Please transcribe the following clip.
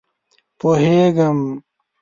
_پوهېږم.